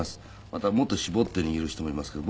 またもっと絞って握る人もいますけど。